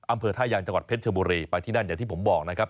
อำเภอท่ายางจังหวัดเพชรชบุรีไปที่นั่นอย่างที่ผมบอกนะครับ